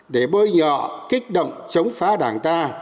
để bôi nhọ kích động chống phá đảng ta